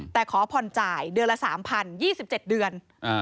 แต่ขอผ่อนจ่ายเดือนละ๓๐๒๗เดือน